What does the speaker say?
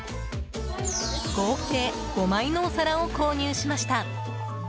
合計５枚のお皿を購入しました。